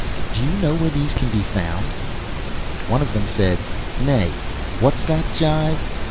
Do you know where these can be found?" One of them said, "Nay. What's that jive?"